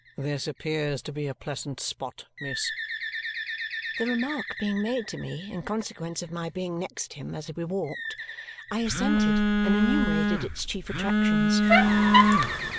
This appears to be a pleasant spot, miss." The remark being made to me in consequence of my being next him as we walked, I assented and enumerated its chief attractions.